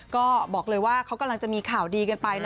ก็บอกเลยว่าเขากำลังจะมีข่าวดีกันไปนะ